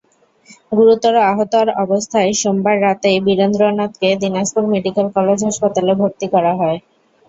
গুরুতর আহত অবস্থায় সোমবার রাতেই বীরেন্দ্রনাথকে দিনাজপুর মেডিকেল কলেজ হাসপাতালে ভর্তি করা হয়।